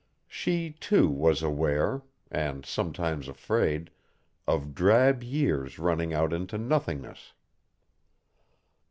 She, too, was aware and sometimes afraid of drab years running out into nothingness.